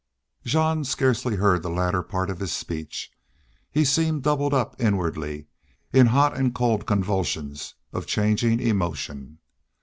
Jean scarcely heard the latter part of this speech. He seemed doubled up inwardly, in hot and cold convulsions of changing emotion.